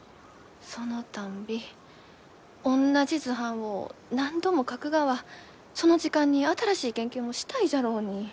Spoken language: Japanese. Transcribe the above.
そのたんびおんなじ図版を何度も描くがはその時間に新しい研究もしたいじゃろうに。